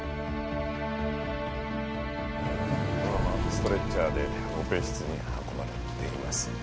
ストレッチャーでオペ室に運ばれています。